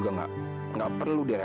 setelah kami pulang peeled coder